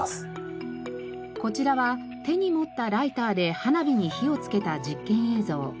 こちらは手に持ったライターで花火に火をつけた実験映像。